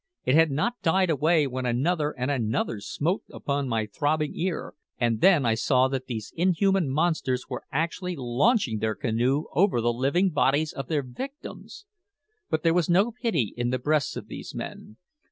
It had not died away when another and another smote upon my throbbing ear, and then I saw that these inhuman monsters were actually launching their canoe over the living bodies of their victims. But there was no pity in the breasts of these men.